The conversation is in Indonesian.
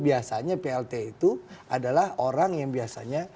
biasanya plt itu adalah orang yang biasanya